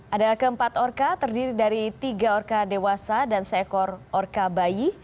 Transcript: ada keempat orka terdiri dari tiga orka dewasa dan seekor orka bayi